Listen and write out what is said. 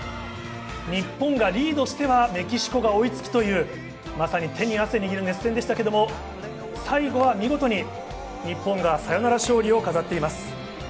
日本がリードしてはメキシコが追いつくという、まさに手に汗握る熱戦でしたが、最後は見事に日本がサヨナラ勝利を飾っています。